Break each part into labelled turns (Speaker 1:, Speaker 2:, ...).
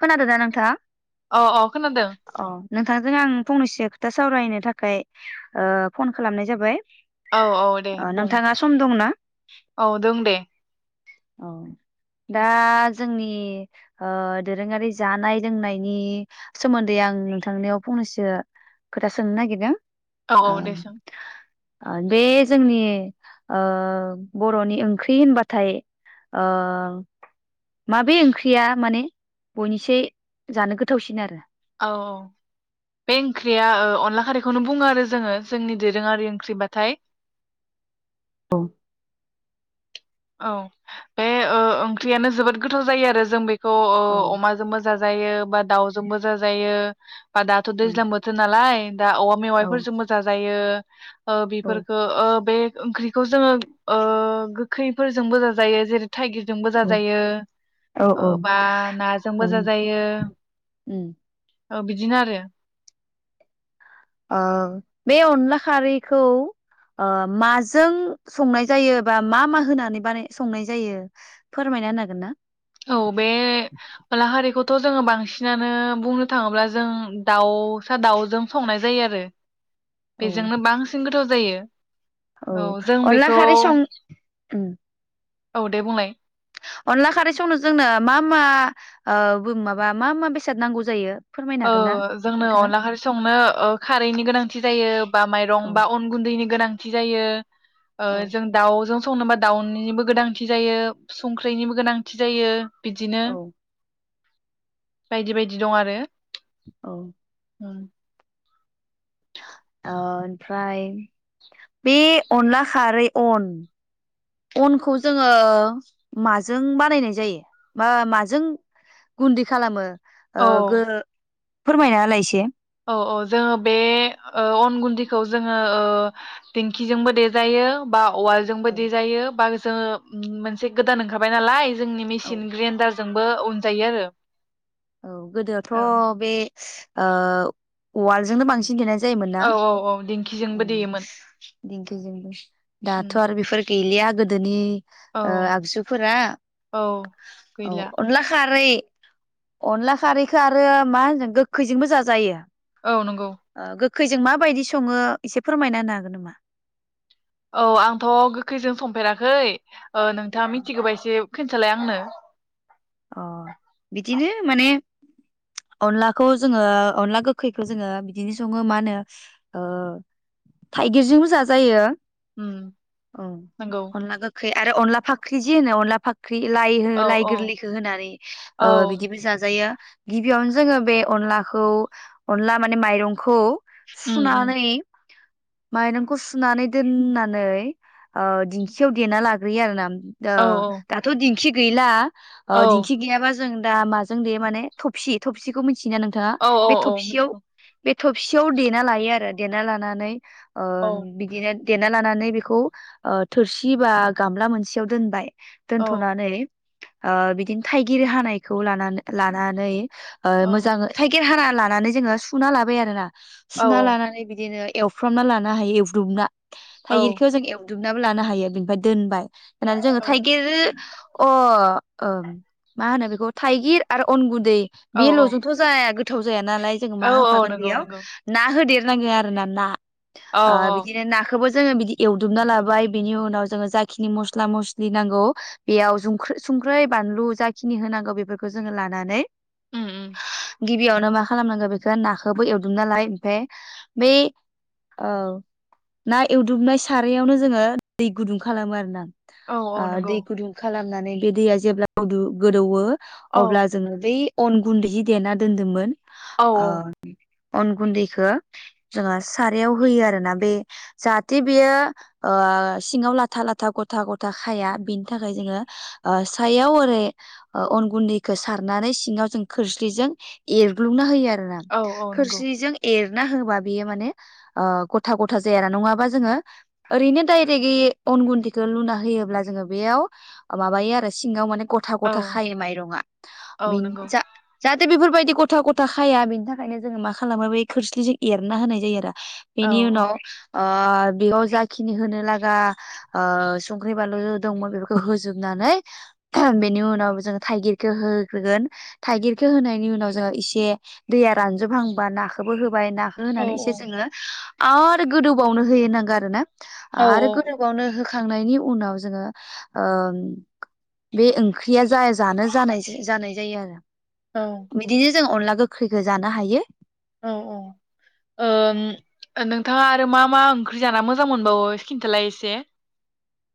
Speaker 1: खोनादो ना नोंथां
Speaker 2: औ औ खोनादों
Speaker 1: अ नोंथांजों आं फंनैसो खोथा सावरायनो थाखाय ओ फन खालामनाय जाबाय
Speaker 2: औ औ दे
Speaker 1: ओ
Speaker 2: बुं
Speaker 1: नोंथाङा सम दंना
Speaker 2: औ दं दे
Speaker 1: औ दा जोंनि ओ दोरोङारि जानाय लोंनायनि सोमोन्दै आं नोंथांनियाव फंनैसो खोथा सोंनो नागिरदों
Speaker 2: औ
Speaker 1: ओ
Speaker 2: औ दे सों
Speaker 1: ओ बे जोंनि ओ बर'नि ओंख्रि होनबाथाय ओ माबे ओंख्रि ख्रिया माने बयनिसाय जानो गोथावसिन आरो
Speaker 2: औ औ बे ओंख्रिया ओ अनला खारैखौनो बुङो आरो जोङो जोंनि दोरोङारि ओंख्रिबाथाय
Speaker 1: औ
Speaker 2: औ बे ओ ओंख्रियानो जोबोद गोथाव जायो आरो जों बे ओ औ अमाजों जाज जायो बा दाउजोंबो जाजायो बा दाथ'
Speaker 1: औ
Speaker 2: दैज्लां बोथोर नालाय दा औवा
Speaker 1: औ
Speaker 2: मेवाइफोरजोंबो जाजायो [inaudible] ओ
Speaker 1: औ
Speaker 2: बिफोरखो ओ बे ओंख्रिखौ जोङो ओ खैफोरजोंबो जा जायो जेरै थाइगिरजोंबो
Speaker 1: औ
Speaker 2: जाजायो ओ
Speaker 1: औ
Speaker 2: बा नाजोंबो
Speaker 1: औ
Speaker 2: जाजायो।
Speaker 1: उम
Speaker 2: औ बिदिनो आरो
Speaker 1: ओ बे अनला खारैखौ ओ माजों संनाय जायो बा मा मा होनानै बानाय संनाय जायो फोरमायना होन हागोन ना?
Speaker 2: औ बे लाहारिखौ थ' जोङो बांसिनानो बुंनो थाङोब्ला जों दाउसा दाउजों संनाय जायो आरो। बेजोंनो बांसिन गोथाव जायो।
Speaker 1: औ
Speaker 2: जों
Speaker 1: अनला
Speaker 2: बेखौ
Speaker 1: खारै सं उम
Speaker 2: औ दे बुंलाय
Speaker 1: अनला खारै संनो जोंनो मा मा ओ माबा मा मा बेसाद नांगौ जायो फोरमायनो
Speaker 2: ओ
Speaker 1: हागोन ना
Speaker 2: जोंनो
Speaker 1: नोंथाङा?
Speaker 2: अनला खारै संनो ओ खारैनि गोनांथि जायो बा माइरं
Speaker 1: औ
Speaker 2: बा अन गुन्दैनि गोनांथि जायो ओ
Speaker 1: औ
Speaker 2: जों दाउ जों संनोबा दाउनिबो गोनांथि जायो संख्रैनिबो गोनांथि जायो। बिदिनो
Speaker 1: औ
Speaker 2: बायदि बायदि दं आरो
Speaker 1: औ
Speaker 2: उम
Speaker 1: ओ ओनफ्राय बे अनला खारै अन अनखौ जोङो माजों बानायनाय जायो बा माजों गुन्दै खालामो ओ
Speaker 2: औ
Speaker 1: गो फोरमायना होलाय एसे
Speaker 2: औ औ जोङो बे ओ अन गुन्दिखौ जोङो ओ दिंखिजोंबो देजायो बा। औवा जोंबो
Speaker 1: औ
Speaker 2: दिजायो बा। जोङो मोनसे गोदान ओंखारबाय नालाय जोंनि
Speaker 1: औ
Speaker 2: मिसिन ग्रेनदार जोंबो उनजायो आरो
Speaker 1: औ गोदोथ' बे ओ उवाल जोंनो बांसिन देनाय जायोमोन ना
Speaker 2: औ औ औ
Speaker 1: ओ
Speaker 2: दिंखिजोंबो देयोमोन
Speaker 1: दिंखिजोंबो
Speaker 2: उम
Speaker 1: दाथ' आरो बेफोर गैलिया गोदोनि
Speaker 2: औ
Speaker 1: ओ आगजुफोरा
Speaker 2: औ
Speaker 1: औ
Speaker 2: गैला
Speaker 1: अनला खारै अनला खारैखो आरो मा होनो गोखैजोंबो जाजायो।
Speaker 2: औ नंगौ
Speaker 1: खैजों माबायदि सङो एसे फोरमायना होनो हागोन नामा
Speaker 2: औ आंथ' गोखैजों संफेराखै ओ नोंथाङा मिथिगोबा एसे खोनथालाय आंनो
Speaker 1: अ बिदिनो माने अनलाखौ जोङो अनला गोखैखौ जोङो बिदिनो सङो मा होनो ओ थाइगिरजोंबो जाजायो।
Speaker 2: ओम
Speaker 1: औ
Speaker 2: नंगौ।
Speaker 1: अनला गोखै आरो अनला फाखख्रि जि होनो अनला फाख लाइ हो
Speaker 2: औ
Speaker 1: लाइ
Speaker 2: औ
Speaker 1: गोरलै खो होनानै
Speaker 2: औ
Speaker 1: ओ बिदिबो जाजायो गिबियावनो जोङो बे अनलाखौ अनला माने माइरंखौ
Speaker 2: उम उम
Speaker 1: सुनानै माइरंखौ सुनानै दोननानै ओ दिंखियाव देना लाग्रोयो आरोना अ
Speaker 2: औ
Speaker 1: दाथ' दिंखि गैला औ दिंखि गैयाबा जों दा माजों देयो माने थबसि थबसिखौ मिथि थियोना नोंथाङा
Speaker 2: औ औ
Speaker 1: बे
Speaker 2: औ
Speaker 1: थबसियाव
Speaker 2: मिथिगौ
Speaker 1: बे थबसियाव देना लायो आरो देना लानानै ओ
Speaker 2: औ
Speaker 1: बिदिनो देना लानानै बेखौ ओ थोरसि बा गामला मोनसेयाव दोनबाय
Speaker 2: औ
Speaker 1: दोनथ'नानै ओ बिदिनो थाइगिर हानायखौ लाना-लानानै ओ
Speaker 2: औ
Speaker 1: मोजाङै थाइगिर हारा लानानै जोङो सुना लाबाय आरोना
Speaker 2: औ
Speaker 1: सुना लानानै बिदिनो एवफ्रामना लानो हायो एवब्रुबना
Speaker 2: औ
Speaker 1: थाइगिरखौ जों एव दुबनाबो लानो हायो बेनिफ्राय दोनबाय होनानै जोङो
Speaker 2: औ
Speaker 1: थाइगिर अ ओ मा होनो बेखौ थाइगिर आरो अन गुनदै बेल'
Speaker 2: औ
Speaker 1: जोथ' जाया गो थाव जाया नालाय जों
Speaker 2: औ
Speaker 1: मा
Speaker 2: औ
Speaker 1: होफागोन
Speaker 2: नंगौ
Speaker 1: बेयाव
Speaker 2: नंगौ
Speaker 1: ना होदेर नाङो आरोना ना
Speaker 2: औ
Speaker 1: ओ
Speaker 2: औ
Speaker 1: बिदिनो नाखोबो जोङो बिदि एवदुबना लाबाय बिनि उनाव जोङो जाखिनि मस्ला मस्लि नांगौ बेयाव जुंख्रि सुं बानलु जाखिनि होनांगौ बेफोरखौ जोङो लानानै
Speaker 2: ओम ओम
Speaker 1: गिबियावनो मा खालामनांगौ बेखौ नाखौबो एवदुमना लाबाय ओमफ्राय बै औ ना एवदुमनाय सारायावनो जोङो दै गुदुं खालामो आरोना
Speaker 2: औ औ
Speaker 1: ओ
Speaker 2: नंगौ
Speaker 1: दै गुदुं खालाम नानै बे दैया जेब्ला गुदु गोदौओ
Speaker 2: औ
Speaker 1: अब्ला जोङो बै अन गुन्दै जे देना दोन्दोंमोन औ अन गुन्दैखो जोङो सारायाव होयो आरोना बे जाहाथे बेयो ओ सिङाव लाथा लाथा ग'था ग'था खाया बेनि थाखाय जोङो ओ हाथायाव ओरै अन गुन्दैखौ सारनानै सिङाव जों खोरस्लिजों एरग्लुंना होयो आरो
Speaker 2: औ औ नंगौ
Speaker 1: खोरस्लिजों एर ना होबा बेयो माने ओ गथा गथा जाया ना नङाबा जोङो ओरैनो डायरेकयै अन गुन्दखौ लुना होयोब्ला जों बेयाव माबायो आरो। सिङाव माने गथा
Speaker 2: औ
Speaker 1: गथा खायो माइरंआ
Speaker 2: औ
Speaker 1: बेनि
Speaker 2: नंगौ
Speaker 1: जा जा बेफोरबायदि गथा गथा खाया बेनि थाखायनो जोङो मा खालामो बे खोरस्लिजों एरना होनाय जायो आरो
Speaker 2: औ
Speaker 1: बेनि उनाव ओ बेयाव जाखिनि होनो लागा ओ संख्रि बानलु दंमोन बेफोरखौ होजोबनानै बेनि उनाव जों थाइगिरखौ होग्रोगोन थाइगिरखौ होनायनि उनाव जोङो इसे दैया रानजोबहांबा नाखौबो होबा बाय नाखौ
Speaker 2: औ
Speaker 1: होनानै एसे जोङो आरो गोदौबावनो हैयो नांगौ आरो ना
Speaker 2: औ
Speaker 1: आरो गोदौबावनो हो खांनायनि उनाव जोङो ओ बे ओंख्रिया जाय जानो जानाय जानाय जायो आरो।
Speaker 2: औ
Speaker 1: बिदिनो जों अनला गोखैखौ जानो हायो
Speaker 2: औ औ ओ नोंथाङा आरो मा मा ओंख्रि जाना मोजां मोनबावो खिनथालाय एसे।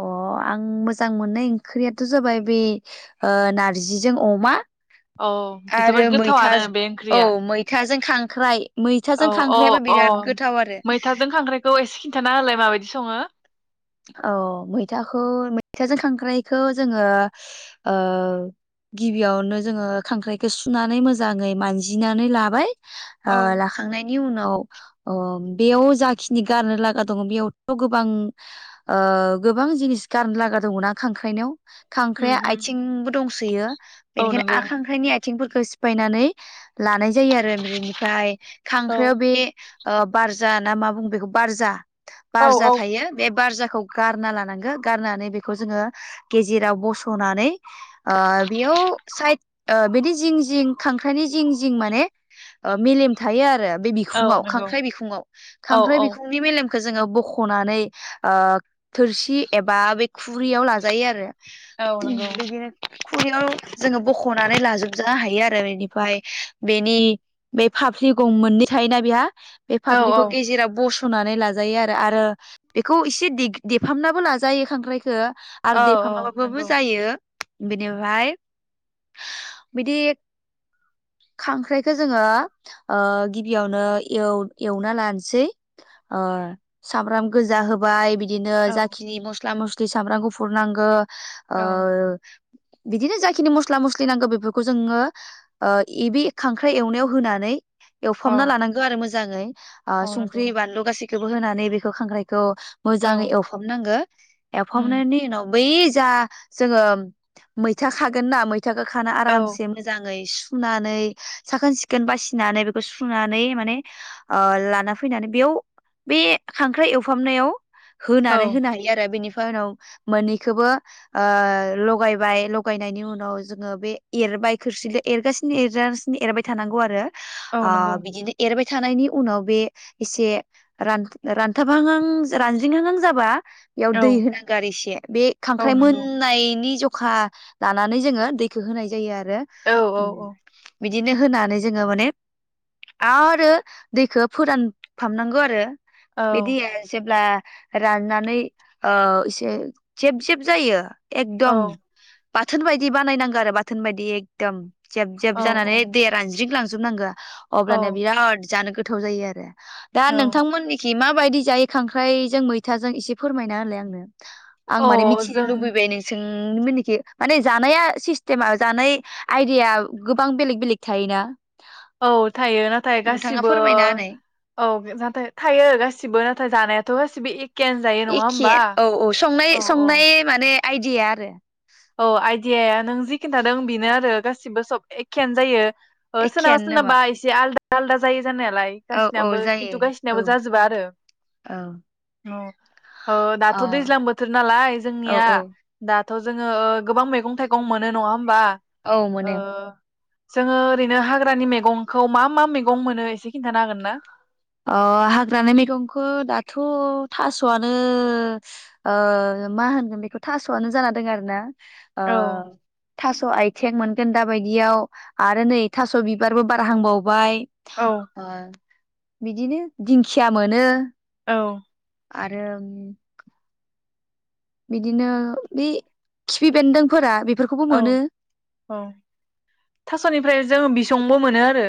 Speaker 1: अ आं मोजां मोननाय ओंख्रियाथ' जाबाय बे ओ नारजिजों अमा
Speaker 2: औ
Speaker 1: आरो
Speaker 2: जोबोद
Speaker 1: मैथा
Speaker 2: गोथावानो बे
Speaker 1: औ
Speaker 2: ओंख्रिया
Speaker 1: मैथाजों खां ख्राइ
Speaker 2: औ अ अ मैथाजों खांख्राइखौ एसे खिन्थाना होलाय माबायदि सङो
Speaker 1: औ मैथाखौ मैथाजों खांख्राइखौ जोङो ओ गिबियावनो जोङो खांख्राइखौ सुनानै मोजाङै मानजिनानै लाबाय ओ
Speaker 2: औ
Speaker 1: लाखांनाय नि उनाव ओ बेयाव जाखिनि गारनो लागा दङ बेयावथ' गोबां ओ गोबां जिनिस गारनो लागा दङ'ना खांख्राइनाव
Speaker 2: उम
Speaker 1: खांख्राइआ
Speaker 2: उम
Speaker 1: आथिंबो दं ओमफ्रायो
Speaker 2: औ
Speaker 1: बेनिखायनो आ
Speaker 2: नंगौ
Speaker 1: खांख्राइनि आ थिंफोरखौ सिफायनानै लानाय जायो आरो बेनिफ्राय
Speaker 2: औ
Speaker 1: खांख्राइ आव बे ओ बार जा ना मा बुङो बेखौ बारजा
Speaker 2: औ
Speaker 1: बारजा
Speaker 2: औ
Speaker 1: थायो बारजाखौ गारना लानांगो गारनानै बेखौ जोङो गेजेराव बस'नानै ओ बेयाव साइद ओ बेनि जिं जिं खांख्राइनि जिं जिं माने ओ मेलेम थायो आरो बे
Speaker 2: औ
Speaker 1: बिखुङाव
Speaker 2: नंगौ
Speaker 1: खांख्राइ बिखुङाव
Speaker 2: औ
Speaker 1: खांख्राइ
Speaker 2: औ
Speaker 1: बिखुंनि मेलेम खौ जोङो बख'नानै ओ थोरसि एबा बे खुरियाव लाजायो आरो
Speaker 2: औ नंगौ
Speaker 1: बिदिनो खुरैयाव जोङो बख'नानै लाजोब जा हायो आरो बेनिफ्राय बेनि बे फाफ्लि गं मोननै थायोना बेहा बे
Speaker 2: औ
Speaker 1: फाब्लिकखौ
Speaker 2: औ
Speaker 1: गेजेराव बस' नानै लाजायो आरो आरो बेखौ इसेदे देफामनाबो लाजायो खांख्राइखो आरो
Speaker 2: औ
Speaker 1: देफा
Speaker 2: औ
Speaker 1: माबाबाबो
Speaker 2: नंगौ
Speaker 1: जायो बेनिफ्राय बिदि खांख्राइखौ जोङो ओ गिबियावनो एव एवना लानसैओ सामब्राम गोजा होबाय बिद बिदिनो
Speaker 2: औ
Speaker 1: जाखिनि मस्ला मस सामब्राम गुफुर नांगो
Speaker 2: औ
Speaker 1: आ-ओ बिदिनो जाखिनि मस्ला मस्लि नांगौ बेफोरखौ जोङो ओ एबे खांख्राइ एवनायाव होनानै
Speaker 2: औ
Speaker 1: एवफामना लानांगौ आरो मोजां मोजाङै ओ
Speaker 2: औ नंगौ
Speaker 1: सुंंख्रि बानलु गासै खोबो होनानै बेखौ खांख्राइ खौ
Speaker 2: औ
Speaker 1: मोजाङै एवफामनांगो
Speaker 2: उम
Speaker 1: एवफबनायनि उनाव बै जा जोङो मैथा खागोन ना मै थाखो खाना
Speaker 2: औ
Speaker 1: आरामसे मोजाङै सु सुनानै साखोन सिखोन बासिनानै बेखौ सुनानै माने ओ लाना फैनानै बेयाव बे खांख्राइ एव फामनायाव
Speaker 2: औ
Speaker 1: होनानै होनो हायो आरो बिनि फाय उनाव मोननैखोबो ओ लगायबाय लगायनायनि उनाव जोङो बे एरबाय खोरसिदो एरगासिनो एरजागासिनो एरबाय थानांगौ आरो।
Speaker 2: औ
Speaker 1: आ
Speaker 2: नंगौ
Speaker 1: बिदिनो एरबाय थानायनि उनाव बे एसे रान रानथाब हां हां रानज्रिं हां हां जाबा बेयाव
Speaker 2: औ
Speaker 1: दै होनांगो आर इसे बे
Speaker 2: औ
Speaker 1: खांख्राइ
Speaker 2: नंगौ
Speaker 1: मोननायनि जग खा लानानै जोङो दैखौ होनाय जायो आरो। आरो
Speaker 2: औ
Speaker 1: उम
Speaker 2: औ
Speaker 1: बिदिनो होनानै जोङो माने आरो दैखो फोरानफामनांगौ आरो। बिदि ओ जेब्ला राननानै ओ एसे जेब जेब जायो।
Speaker 2: औ
Speaker 1: एकदम बाथोन बायदि बानायनांगो आरो बाथोन बायदि एकदम। जेब जेब
Speaker 2: औ
Speaker 1: जानानै
Speaker 2: औ
Speaker 1: दैया रानज्रिं लां जोबनांगोआ अब्लाना
Speaker 2: औ
Speaker 1: बिराद जानो गोथाव जायो आरो दा
Speaker 2: औ
Speaker 1: नोंथांमोननि माबायदि जायो खांख्राइजों मैथाजों एसे फोरमायना होनलाय आंनो। आं माने मिथिनो
Speaker 2: जों
Speaker 1: लुबैबाय नोंसोर उम मोननिखि माने जानाया सिस्टेमा जानाय आइदाया गोबां बेलेग बेलेग थायोना।
Speaker 2: औ थायो नाथाय
Speaker 1: नोंथाङा
Speaker 2: गासिबो
Speaker 1: फोरमायना होनाय
Speaker 2: औ जाथे थायो गासिबो नाथाय जानायाथ' गासिबो एख
Speaker 1: एखे औ औ संनाय
Speaker 2: औ
Speaker 1: संनाय माने आइडिया आरो
Speaker 2: औ आइदियाया नों जि खिन्थादों बेनो आरो गासिबो सब एखेयानो जायो। ओ सोरनाबा
Speaker 1: एखेयानो नामा
Speaker 2: सोरनाबा इसे आलदा आलदा जायो। जानायालाय
Speaker 1: औ औ
Speaker 2: गासिनाबो
Speaker 1: जायो
Speaker 2: खिन्थु
Speaker 1: औ
Speaker 2: गायसिनाबो जाजोबा आरो
Speaker 1: औ
Speaker 2: ओ
Speaker 1: अ
Speaker 2: दाथ' दैज्लां बोथोर नालाय
Speaker 1: औ
Speaker 2: जोंनिया
Speaker 1: औ
Speaker 2: दा जोङो ओ गोबां मैगं थाइगं मोनो नङा होम बा
Speaker 1: औ
Speaker 2: ओ
Speaker 1: मोनो
Speaker 2: जोङो ओरैनो हाग्रानि मैगंखौ मा मा मैगं मोनो एसे खिन्थानो हागोन ना
Speaker 1: अ हाग्रानि मैगंखौ दाथ' थास'आनो ओ मा होनगोन बेखौ थास'आनो जाना दं आरोना ओ
Speaker 2: औ
Speaker 1: थास' आथिं मोनगोन दाबायदियाव आरो नै थास' बिबारबो बार हांबावबाय
Speaker 2: औ
Speaker 1: आ बिदिनो दिंखिया मोनो।
Speaker 2: औ
Speaker 1: आरो बिदिनो बे खिफि बेन्दोंफोरा बे
Speaker 2: औ औ थास'निफ्राय जों बि संबो मोनो आरो।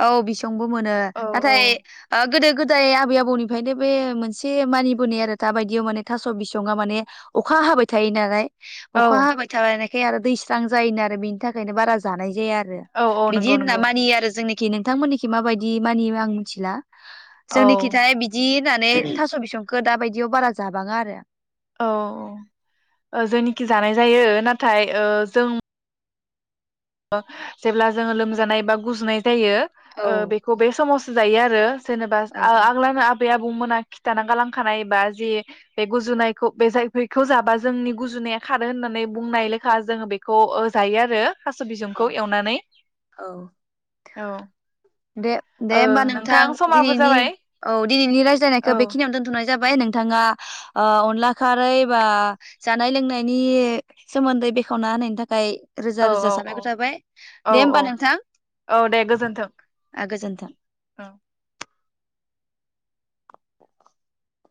Speaker 1: औ बिसंबो मोनो
Speaker 2: औ औ
Speaker 1: नाथाय ओ गोदो गोदाय आबै आबौनिफ्रायनो बे मोनसे मानिबोनाय आरो थाबायदियाव माने थास' बिसङा माने अखा हाबाय थायो नालाय
Speaker 2: औ
Speaker 1: अखा हाबाय थाबाय नाय बे आरो दैस्रां जायोनो आरो बेनि थाखायनो बारा जानाय जाया आरो
Speaker 2: औ औ
Speaker 1: बिदि
Speaker 2: नंगौ
Speaker 1: होनना
Speaker 2: नंगौ
Speaker 1: मानियो आरो अके नोंथांमोननिखि माबायदि मानियो आं मिथिला
Speaker 2: औ
Speaker 1: जोंनि खिथाय बिदि होननानै थास' बिसंखौ दा बायदियाव बारा जाबाङा आरो
Speaker 2: औ औ जोंनिखि जानाय जायो नाथाय ओ जों जेब्ला जोङो लोमजानाय बा गुजुनाय जायो
Speaker 1: औ
Speaker 2: ओ बेखौ बे समाव जायो आरो जेनेबा
Speaker 1: औ
Speaker 2: आ-आगलाना बै आबौमोना खिथानानानै गालांखानाय बा जि बे गुजुनायखौ बे जाय बेखौ जाबा जोंनि गुजुनाया खारो होननानै बुंनाय लेखा जोङो बेखौ ओ जायो आरो थास'
Speaker 1: औ
Speaker 2: बिसंखौ एवनानै
Speaker 1: औ
Speaker 2: औ
Speaker 1: दे दे
Speaker 2: ओ
Speaker 1: होमबा नोंथां
Speaker 2: समाबो
Speaker 1: दिनैनि
Speaker 2: जाबाय
Speaker 1: औ दिनैनि रायज्लायनायखौ
Speaker 2: औ
Speaker 1: बेखिनियावनो दोनथ'नाय जाबाय नोंथाङा ओ अनला खारै बा जानाय लोंनायनि सोमोन्दै बेखेवना होनायनि थाखाय रोजा
Speaker 2: औ
Speaker 1: रोजाबाय
Speaker 2: औ
Speaker 1: साबायखर जाबाय
Speaker 2: औ
Speaker 1: दे होमबा
Speaker 2: औ
Speaker 1: नोंथां
Speaker 2: औ दे गोजोन्थों
Speaker 1: गोजोन्थों
Speaker 2: औ